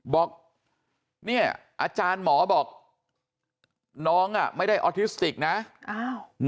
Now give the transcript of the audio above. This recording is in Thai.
บอกเนี่ยอาจารย์หมอบอกน้องไม่ได้ออทิสติกนะ